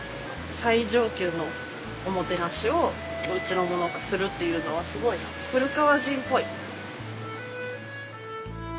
最上級のおもてなしをおうちの者がするっていうのはすごい古川人っぽい。